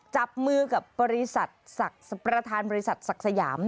จับมือกับบริษัทประธานบริษัทศักดิ์สยาม